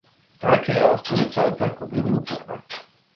Таа ќе ја оствари целта ако биде упорна.